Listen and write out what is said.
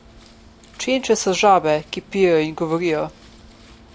Čenče so žabe, ki pijejo in govorijo.